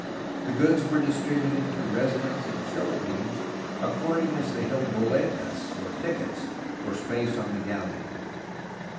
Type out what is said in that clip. The goods were distributed to residents of the Philippines according as they held holetas, or tickets, for space on the galleon.